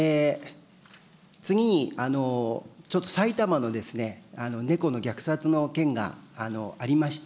次に、ちょっと埼玉の猫の虐殺の件がありました。